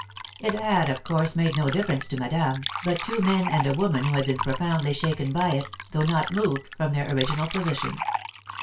It had, of course, made no difference to Madame, but two men and a woman had been profoundly shaken by it, though not moved from their original position.